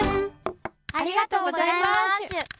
ありがとうございましゅ。